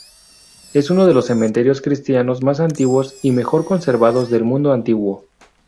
Es uno de los cementerios cristianos más antiguos y mejor conservados del mundo antiguo.